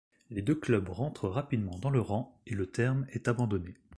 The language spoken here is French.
Les deux clubs rentrent rapidement dans le rang et le terme est abandonné.